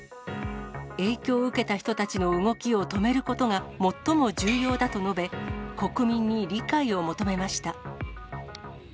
影響を受けた人たちの動きを止めることが、最も重要だと述べ、国民に理解を求めました。